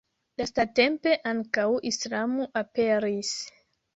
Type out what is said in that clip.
Lastatempe ankaŭ islamo aperis.